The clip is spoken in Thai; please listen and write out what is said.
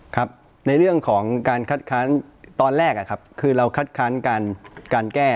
ครับในเรื่องของการคัดค้านตอนแรกครับคือเราคัดค้านการแก้